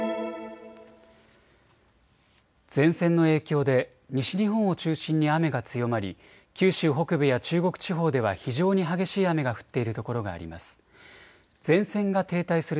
前線の影響で西日本を中心に雨が強まり九州北部や中国地方では非常に激しい雨が降っている所があります。